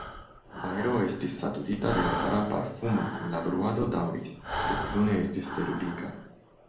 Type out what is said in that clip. Aero estis saturita de arbara parfumo, la bruado daŭris, sed plu ne estis teruriga.